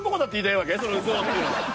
その薄男っていうのは。